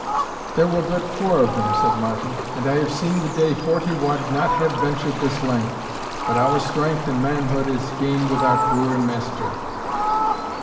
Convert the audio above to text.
"There were but four of them," said Martin, "and I have seen the day forty wad not have ventured this length. But our strength and manhood is gane with our puir maister."